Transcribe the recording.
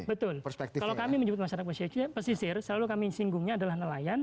betul kalau kami menyebut masyarakat pesisir selalu kami singgungnya adalah nelayan